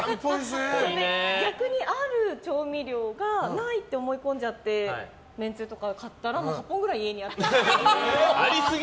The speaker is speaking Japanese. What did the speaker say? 逆に、ある調味料がないって思いこんじゃってめんつゆとか買ったら８本くらい家にあったりとか。